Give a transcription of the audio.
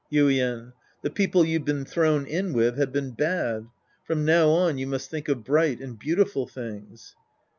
Yuien. The people you've been thrown in with have been bad. From now on, you must thuik of bright and beautiful things.